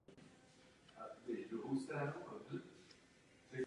Problém konfliktu v Gaze má své politické rozměry.